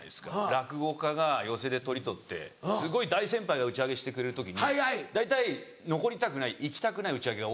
落語家が寄席でトリ取ってすごい大先輩が打ち上げしてくれる時に大体残りたくない行きたくない打ち上げが多い。